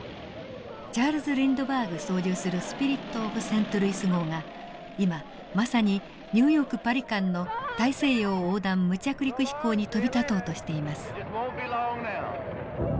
チャールズ・リンドバーグ操縦するスピリット・オブ・セントルイス号が今まさにニューヨークパリ間の大西洋横断無着陸飛行に飛び立とうとしています。